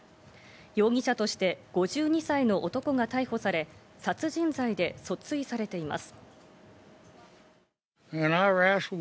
容疑者として５２歳の男が逮捕され、殺人罪で訴追されています。